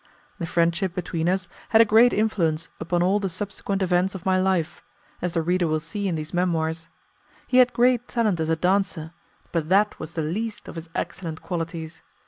The friendship between us had a great influence upon all the subsequent events of my life, as the reader will see in these Memoirs. He had great talent as a dancer, but that was the least of his excellent qualities.